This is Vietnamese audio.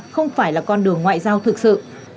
không phải là con đường ngoại giao thực sự